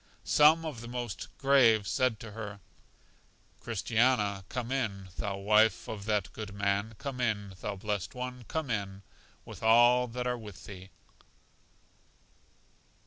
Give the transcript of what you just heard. Some of the most grave said to her, Christiana, come in, thou wife of that good man, come in, thou blest one, come in, with all that are with thee.